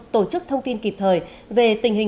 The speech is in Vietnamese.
tổ chức thông tin kịp thời về tình hình